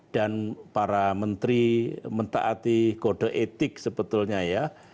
dan para menteri mentaati kode etik sebetulnya ya